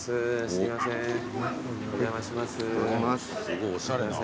すごいおしゃれな。